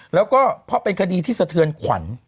แล้วก็เพราะเป็นคดีที่สะเทือนขวัญ